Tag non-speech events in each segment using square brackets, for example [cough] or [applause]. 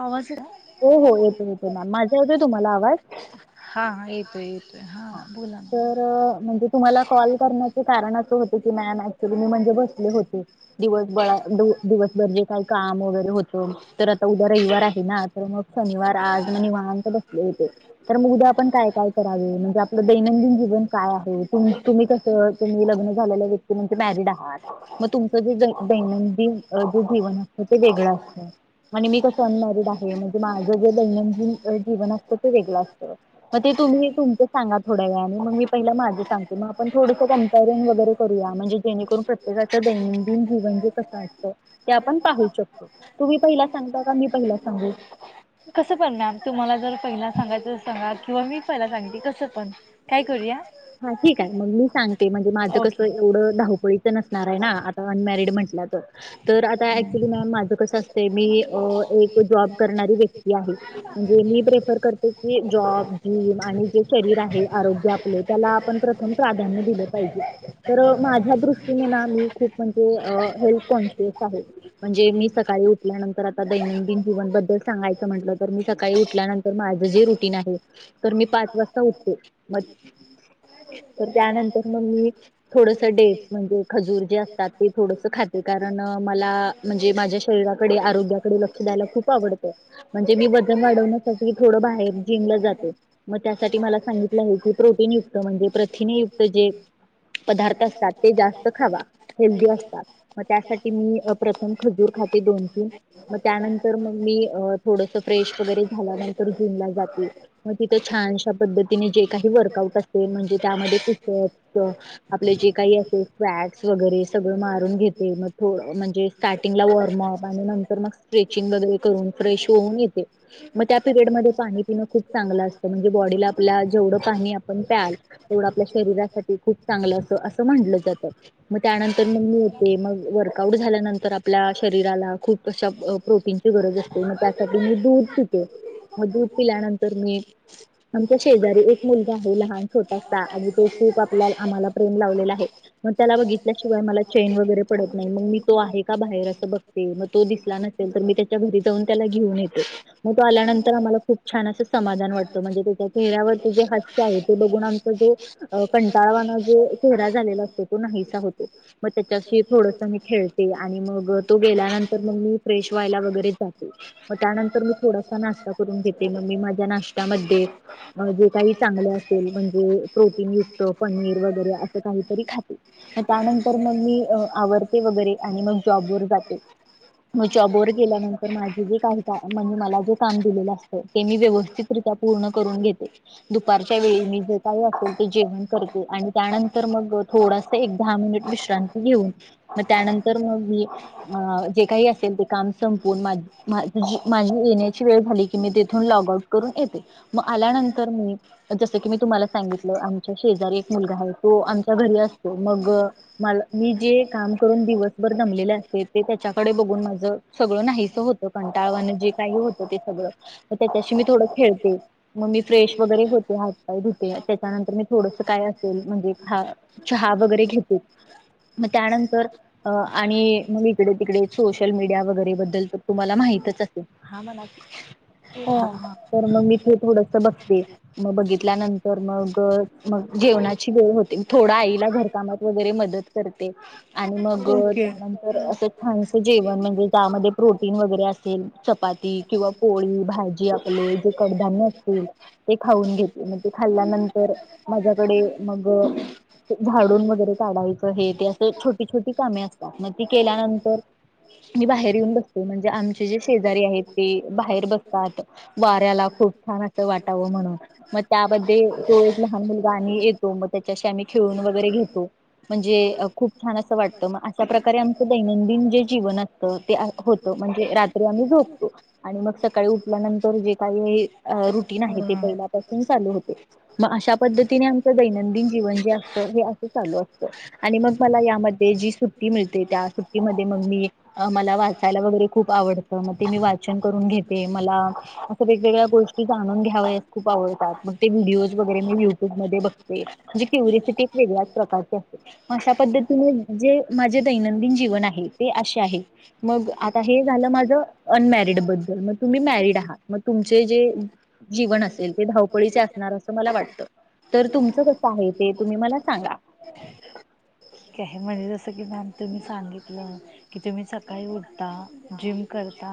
आवाज का हो हो येते येते मॅम माझा येतोय तुम्हाला आवाज हा येतो य हा तर म्हणजे तुम्हाला कॉल करण्याचे कारण असं होते की मॅम ी म्हणजे बसले होते दिवस दिवसभर जे काही काम वगैरे हो तर आता उद्या रविवार आहे ना तर मग शनिवार आज म वाहांत बसले होते तर मग उद्या आपण काय काय करावेग आपलं दैनंदिन जीवन काय आहे तुम्ही कसं तुम्ही लग्न झालेल्या व्यक्ती म्हणजे मॅरिड आहात मग तुमचं जे दैनंदिन जे जीवन असतं ते वेगळं असतं आणि मी कस अनमॅरिड आहे म्ह माझं जे दैनंदिन जीवन असतं ते वेगळ असतं मग ते तुम्ही तुम ड्या व मी पहि माझे सांग म आपण थोड कंपरिन वैरेूया म्हणेणे त्याच दैनंदिन जीवन जे कस असत ते आपण पाहू शकतो तुम्ही पहिला सांगता का मी पहिला सांगू कसं पण मॅम तुम्हाला जर पहिला सांगायचं सांगा किंवा मी पहिला सांगितते कसं पण हा ठीक आहे मग मी सांगते म्हणजे माझं कस एवढं धाव न आ अमरड म्ह आता क्च्युलीॅ माझं कस ते मी अ एक जॉब करणारी व्यक्ती आहे म्हणजे मी प्रेफर करते की जॉब ज्रीम आणि जे करिअर आहे आरोग्य आपले त्याला आपण प्रथम प्राधान्य दिले पाहिजे तर माझ्या दृष्टीने ना मी खूप म्हणजे हेल्थ कॉन्शियस आहे म्हणजे मी सकाळी उठल्यानंतर आता दैनंदिन जीवनबद्दल सांगायचं म्हटलं तर मी सकाळी उठल्यानंतर तर माझं जे रुटीन आहे तर मी पाच वाजता उठतेो ठी तर त्यानंतर मम्मी थोडस डेटस म्हणजे खजूर जे असतात ते थोडस खाते कारण मला म्हणजे माझ्या शरीराकडे आरोग्याकडे लक्ष द्यायला खूप आवडतं म्हणजे मी वजन वाढवण्यासाठी थोडं बाहेर जिमला जातो मग त्यासाठी मला सांगित की प्रोटीन युक्त म्हणजे प्रथिनयुक्त जे पदार्थ असतात ते जास्त खावा हेल्दीी असतात मग त्यासाठी मी प्रथम खजूर खाते दोन तीन मग त्यानंतर मग मी थोडस फ्रेश वगैरे झाल्यानंतर जिमला जाते मग तिथं छानश्या पद्धतीने जे काही वर्कआउट असते म्हणजे त्यामध्ये क आपले जे काही असे स्ॅक्स वगैरे सगळं मारून घेते मग थोड म्हणजे स्टार्टिंगला वॉर्मअप आणि नंतर मग स्ट्रेचिंग वगैरे करून फ्रेश होऊन येते मग त्या पिरियडमध्ये पाणी पिणं खूप चांगलं असतं म्हणजे बॉडीला आपला जेवढं पाणी आपण प्याल तेवढं आपल्या शरीरासाठी खूप चांगलं असं असं म्हणलं जातं मग त्यानंतर मग मी होते मग वर्कआउट झाल्यानंतर आपल्या शरीराला खूप अशा प्रोटीनची गरज असते मग त्यासाठी मी दूध पिते मग दूध पिल्यानंतर मी आमच्या शेजारी एक मुलगा आहे लहान छोटासा आणि तो खूप आपला आम्हाला प्रेम लावलेला आहे मग त्याला बघितल्याशिवाय मला चेन वगैरे पडत नाही मग मी तो आहे का बाहेर असं बघ ते मग तो दिसला नसेल तर मी त्याच्या घरी जाऊन त्याला घेऊन येतो मग त आल्यानंतर आम्हाला खूप छान असं समाधान वाटतं म्हणजे चेहऱ्यावरती जे हास्य आहे ते बघून आमचा जो अ कंटाळवाना जे चेहरा झालेला असतो तो नाहीसा होतो मग त्याच्याशी थोडस मी खेळते आणि मग तो गेल्यानंतर मग मी फ्रेश व्हायला वगैरे जाते मग त्यानंतर मी थोडासा नाश्ता करून घेते मग मी माझ्या नाश्त्यामध्ये जे काही चांगले असेल म्हणजे प्रोटीन युक्त पनीर वगैरे असं काहीतरी खाते त्यानंतर मग मी आवडते वगैरे आणि मग जॉब वर जाते मग चॉब वर गेल्यानंतर माझे जे काही का म्हणजे मला जे काम दिलेलं असतं ते मी व्यवस्थित [inaudible] पूर्ण करून घेते दुपारच्या वेळी मी जे काही असेल ते जेवण करते आणि त्यानंतर मग थोडा एक दहा मिनिट विश्रांती घेऊन मग त्यानंतर मग मी अ जे काही असेल ते काम संपून माझ ी माझी येण्याची वेळ झाली की मी तेथून लॉग आउट करून येते मग आल्यानंतर मी जसं की मी तुम्हाला सांगितलं आमच्या शेजारी एक मुलगा आहे तो आमच्या घरी असतो मग मला मी जे काम करून दिवसभर दमलेले असते ते त्याच्याकडे बघून माझ सगळं नाहीस होतं कंटाळवाना जे काही होतं ते सगळं त्याच्याशी मी थोडं खेळते मग मी फ्रेश वगैरे होते हात पाय धुते त्याच्यानंतर मी थोडस काय असेल म्हणजे हा चहा वगैरे घेते मग त्यानंतर अ आणि मग इकडे तिकडे सोशल मीडिया वगैरे बद्दल तर तुम्हाला माहितच असेल हा मला ह तर मग मी ते थोडस बघते मग बघितल्यानंतर मग मग जेवणाची वेळ होते थोडा आईला घरकामात वगैरे मदत करते आणि मग त्या तर असं छानस जेवण म्हणजे ज्यामध्ये प्रोटीन वगैरे असेल चपाती किंवा पोळी भाजी आपले जे कडधान्य असतील ते खाऊन घेते मग ते खाल्ल्यानंतर माझ्याकडे मग झाडून वगैरे काढायचं हे ते असं छोटी छोटी कामे असतात मग ती केल्यानंतर मी बाहेर येऊन बसतो म्हणजे आमचे जे शेजारी आहेत ते बाहेर बसतात वाऱ्याला खूप छान असं वाटावं म्हणून मग त्यामध्ये तो एक लहान मुलगा आणि येतो मग त्याच्याशी आम्ही खेळून वगैरे घेतो म्हणजे खूप छान असं वाटतं मग अशा प्र्रकारे आमच दैनंदिन जे जीवन असतं तेत आ होत म्हणजे रात्री आम्ही झोपतो आणि मग सकाळी उठल्यानंतर जे काही आहे अ रुटीन आहे ते पहिल्यापासून चालू होते मग अशा पद्धतीने आमचं दैनंदिन जीवन जे असतं हे असं चालू असतं आणि मग मला यामध्ये जी सुट्टी मिळते त्या सुट्टीमध्ये मग मी मला वाचायला वगैरे खूप आवडतं मग ते मी वाचन करून घेते मला असं वेगवेगळ्या गोष्टी जाणून घ्यावास खूप आवडतात मग ते व्हिडिओज वगैरे मी युट्यूब मध्ये बघते म्हणजे क्युरिसिटी वेगळ्याच प्रकारची असते अशा पद्धतीने जे माझे दैनंदिन जीवन आहे ते असे आहे मग आता हे झालं माझ अनमॅरिड बद्दल मग तुम्ही मॅरीड आहात मग तुमची ते जे जीवन असेल ते धावपळीचे असणार असं मला वाटत तर तुमचं कसं आहे ते तुम्ही मला सांगा ठीक आहे म्हणजे जसं की मॅम तुम्ही सांगितलं कि तुम्ही सकाळी उठता जिम करता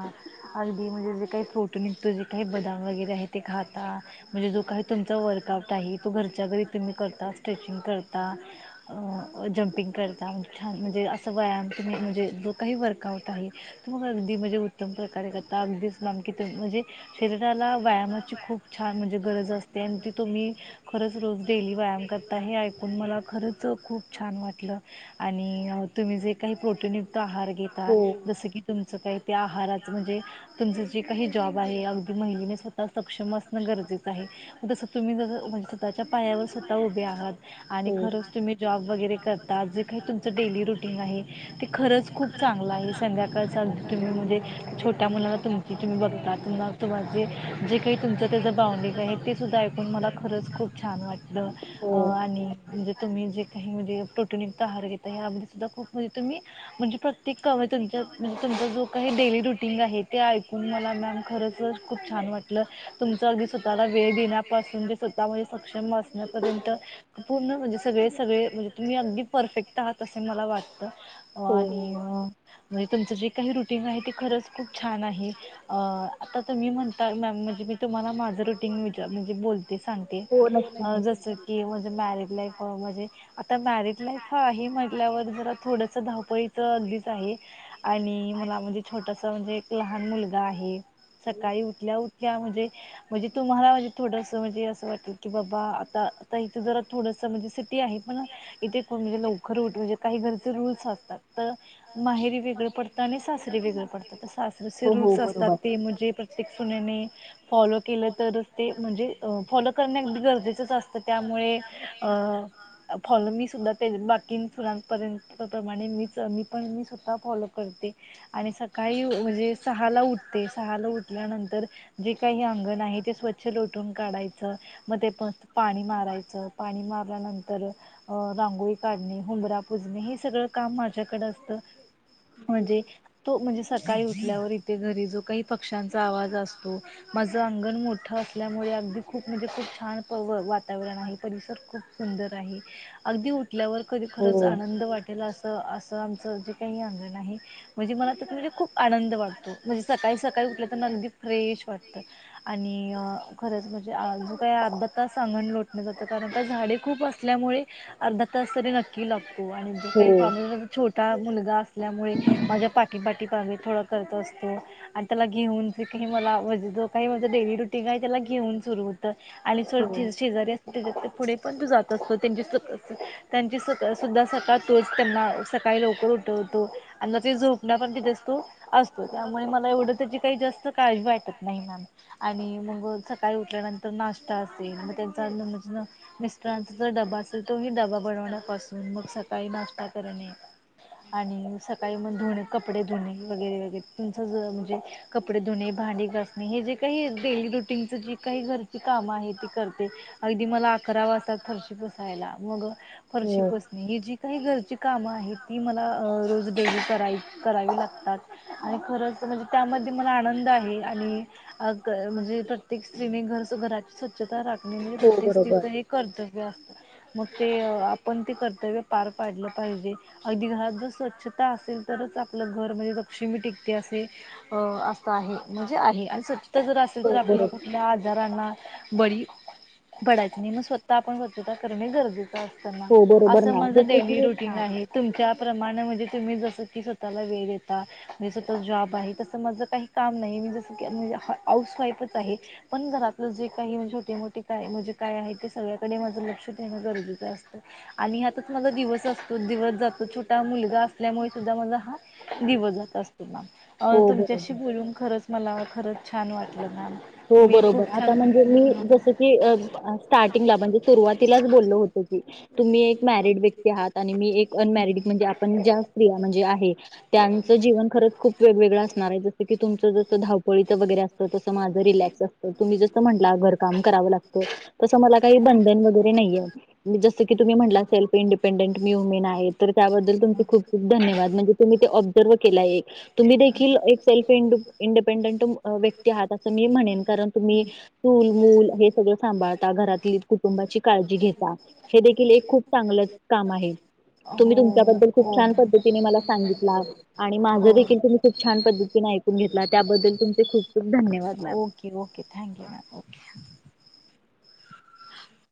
अगदी म्हणजे जे काही प्रोटोन निघतो जे काही बदाम वगैरे आहे ते खाता म्हणजे जो काही तुमचा वर्कआउट आहे तो घरच्या घरी तुम्ही करता स्ट्रेचिंग करता अ जंपिंग करता छान म्हणजे असं व्यायाम तु मी म्हणजे जो काही वर्कआउट आहे त मग अगदी म्हणजे उत्तम प्रकार करता अगदीच नमकी म्हणजे शरीराला व्यायामाची खूप छान म्हणजे गरज असते आणि ती तु म्ही खरंच रोज डेली व्यायाम करता हे ऐकून मला खरंच खूप छान वाटलं आणि तुम्ही जे काही प्रोटीनयुक्त आहार घेता जसं की तुमचं काही ते आहारचं म्हणजे तुमचं जे काही जॉब आहे अगदी महिलेने स्वतः सक्षम असणं गरजेचं आहे तसं तुम्ही जस म्हणजे स्वतःच्या पायावर स्वतः उभे आहात आणि खरच तुम्ही जॉब वैगरे करतात जे काही तुमच डेली रुटीन आहे ते खरंच खूप चांगलं आहे संध्याकाळ तुम्ही म्हणजे छोट्या मुलाला तुमच तुम्ही बघता तुम्हाला तुम्हा जे जे काही तुमचं त्याचं बाउंडिज आहे ते सुद्धा ऐकून मला खरंच खूप छान वाटत आणि म्हणजे तुम्ही जे काही म्हणजे प्रोटोनिक आहार घेता यामध्ये सुद्धा खूप म्हणजे तुम्ही म्हणजे प्रत्येक तुमचा जो काही डेली रुटीन आहे ते ऐकून मला मॅम खरच खूप छान वाटलं तुमचं अगदी स्वतःला वेळ देण्यापासून स्वतः मध्ये सक्षम असण्यापर्यंत पूर्ण म्हणजे सगळे सगळे म्हणजे तुम्ही अगदी परफेक्ट आहात असे मला वाटतं आणि म्हणजे तुमचं जे काही रुटीन आहे ते खरंच खूप छान आहे अ आता तुम्ही म्हणता मॅम म्हणजे मी तुम्हाला माझं रुटीन विचार म्हणजे बोलते सांगते सांगते जसं की म्हणजे मॅरेज लाईफ म्हणजे आता मॅरिड लाईफ आहे म्हटल्यावर जरा थोडस धावपळीच अगदीच आहे आणि मला म्हणजे छोटासा म्हणजे एक लहान मुलगा आहे सकाळी उठल्या उठ उठल्या म्हणजे म्हणजे तुम्हाला म्हणजे थोडस म्हणजे असं वाटेल की बाबा आता आता इथे जर थोडस म्हणजे सिटी आहे पण इथे कोण म्हणजे लवकर उठ म्हणजे काही घरचे रूल्स असतात तर माहेरी वेगळं पडतं आणि सासरी वेगळं पडतात तर सासरीचे रूल्स असतात ते म्हणजे की सुनेने फॉलो केलं तरच ते म्हणजे फॉलो करणे अगदी गरजेचंच असतं त्यामुळे अ फॉलो मीसुद्धा ते बाकी सुनांपर्यंतप्रमाणे मीच मी पण मी स्वतः फॉलो करते आणि सकाळी म्हणजे सहाला उठते सहाला उठल्यानंतर जे काही अंगण आहे ते स्वच्छ लोटून काढायचं मग ते पण पाणी मारायचं पाणी मारल्यानंतर तर अ रांगोळी काढणी हुंबरा पुजणे हे सगळं काम माझ्याकडे असतं म्हणजे तो म्हणजे सकाळी उठल्यावर इथे घरी जो काही पक्ष्यांचा आवाज असतो माझं अंगण मोठं असल्यामुळे अगदी खूप म्हणजे खूप छान प वातावरण आहे परिसर खूप सुंदर अगदी उठल्यावर कधी खरच आनंद वाटेला अस तर असं आमचं जे काही अंगण आहे म्हणजे मला तर म्हणजे खूप आनंद वाटतो म्हणजे सकाळी सकाळी उठल्या तर अगदी फ्रेश वाटतं आणि खरंच म्हणजे अज काही अर्धा तास अंगण लोटण जातं कारण त्या झाडे खूप असत मुळे अर्धा तास तरी नक्की लागतो आणि जे काही छोटा मुलगा असल्यामुळे माझ्या पाठीपाठी बागे थोडा करत असतो आणि त्याला घेऊन जे काही मला ज काही माझं डेली रुटीन का त्याला घेऊन सुरू होत आणि शेजारी अस पुढे पण तो जातो त्यां त्यांची स सुद्धा सकाळ तोच त्यांना सकाळी लवकर उठवतो आणि मग ते झोपण पण तिथेच तो असतो असतो त्यामुळे मला एवढं त्याची काही जास्त काळजी वाटत नाही मॅम आणि मग सकाळी उठल्यानंतर नाश्ता असेल मग त्यांचा जर डबा असल तोही डबा बनवण्यापासून मग सकाळी नाश्टा करणे आणि सकाळी मग थोडे कपडे धुणे वगैरे वगैरे तुमचं ज म्हणजे कपडे धुणे भांडी घासणे हे जे काही डेली रुटीनच जी काही घरची कामं आहे ती करते अगदी मला अकरा वाजात फरशी पुसायला मग फरशी पस ही जी काही घरची कामं आहेत ती मला रोज डेली कराय करावी लागतात आणि खरंच म्हणजे त्यामध्ये मला आनंद आहे आणि अ म्हणजे प्रत्येक स्त्रीने घर घराची स्वच्छता राखणे म्हणजे प्रत्येक स्त्रीचं हे कर्तव्य मग ते आपण ते कर्तव्य पार पाडलं पाहिजे अगदी घरात जर स्वच्छता असेल तरच आपलं घरमध्ये लक्ष्मी टिकते असेल अ असत आहे म्हणजे आहे आणिच जर असेल तर आपल्या कुठल्या आजारांना बळी पडायची नेम स्वतः स्वच्छता असना अस माझ डेली रुटीन आहे तुमच्या प्रमाण म्हणजे तुम्ही जसं की स्वतःला वेळ देता म्हणजे स्वतः जॉब आहे तसं माझं काही काम नाही म्हजे जसं कीे हाऊस वाईफच आहे पण घरातलं जे काही छोटे मोठे काय म्हणजे काय आहे ते सगळ्याकडे माझं लक्ष देेणं गरजेचं असतं आणि ह्याातच माझा दिवस असतो दिवस जातो छोटा मुलगा असल्यामुळे सुद्धा माला हा दिवस जात असत मॅम तुमच्याशी बोलून खरंच मला खरंच छान वाटलं मॅम हो बरोबर आता म्हणजे मी जस की स्टार्टिंगला म्हणजे सुरुवातीलाच बोलल होत की तुम्ही एक मॅरिड व्यक्ती आहात आणि मी एक अनमॅरिड म्हणजे आपण ज्या स्त्रिया म्हणजे आहे त्यांचं जीवन खरंच खूप वेगवेगळं असणार आहे जसं की तुमचं जसं धावपळीचं वगैरे असतं तस माझ रिलँक्स असत तुम्ही जस म्हट घर काम करावं लागत तसं मला काही बंधन वगैरे नाहीये आणि ी जसं की तुम्ही म्हटला सेल्फ इंडिपेंडेंट मी वुमेन आहे तर त्याद्दल तुमची खूप खूप धन्यवाद म्हणजे तूम्ही ते ऑब्र्व केला एक तुम्ही देखील एक सेल्फं इंडिपेंडंट व्यक्ती आहात असं मी म्हणेन कारण तुम्ही चूल मूल हे सगळं सांभाळता घरातील कुटुंबाची काळजी घेता हे देखील एक खूप चांगलंच काम आहे तुम्ही तुमच्याबद्दल खूप छान पद्धतीने मला सांगितला आणि माझ देखील खूप छान पद्धतीने ऐकून घेतलात त्याबद्दल तुमचे खूप खूप धन्यवाद ओक ओक थँक्यू मॅ ह [unintelligible]